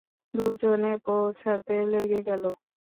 দুজনে গোছাতে লেগে গেল।